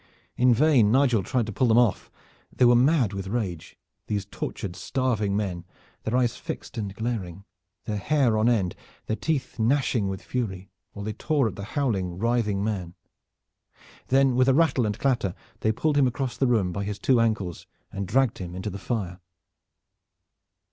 In vain Nigel tried to pull them off. They were mad with rage, these tortured starving men, their eyes fixed and glaring, their hair on end, their teeth gnashing with fury, while they tore at the howling, writhing man. Then with a rattle and clatter they pulled him across the room by his two ankles and dragged him into the fire.